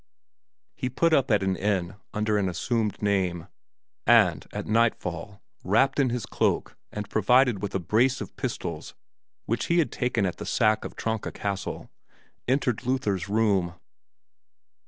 He put up at an inn under an assumed name, and at nightfall, wrapped in his cloak and provided with a brace of pistols which he had taken at the sack of Tronka Castle, entered Luther's room.